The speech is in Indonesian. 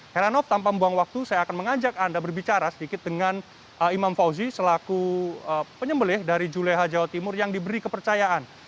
heranov tanpa membuang waktu saya akan mengajak anda berbicara sedikit dengan imam fauzi selaku penyembelih dari juleha jawa timur yang diberi kepercayaan